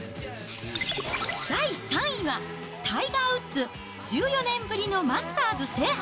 第３位は、タイガー・ウッズ、１４年ぶりのマスターズ制覇。